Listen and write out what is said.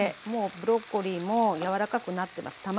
もうブロッコリーも柔らかくなってます。